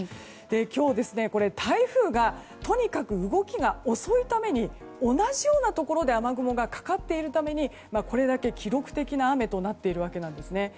今日これ台風がとにかく動きが遅いために同じようなところで雨雲がかかっているためにこれだけ記録的な雨となっているわけなんですね。